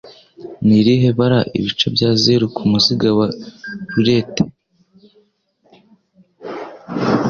Ni irihe bara Ibice bya Zeru Kumuziga wa Roulette?